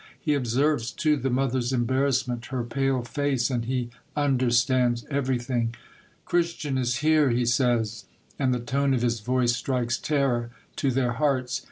He observes, too, the mother's embarrassment, her pale face, and he understands everything. " Christian is here !" he says ; and the tone of his voice strikes terror to their hearts.